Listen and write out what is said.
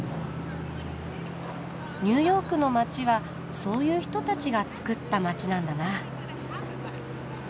ニューヨークの街はそういう人たちがつくった街なんだな。